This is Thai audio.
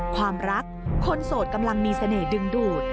ความรักคนโสดกำลังมีเสน่หดึงดูด